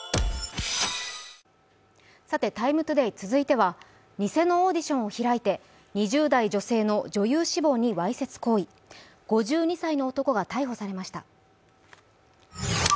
「ＴＩＭＥ，ＴＯＤＡＹ」続いては偽のオーディションを開いて２０代女性の女優志望にわいせつ行為５２歳の男が逮捕されました。